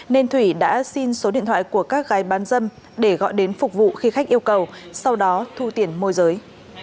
nên thủy đã xin số điện thoại của các gái bán dâm để gọi đến phục vụ khi khách yêu cầu sau đó thu tiền môi giới